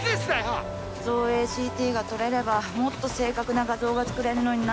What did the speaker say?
造影ＣＴが撮れればもっと正確な画像が作れんのになぁ。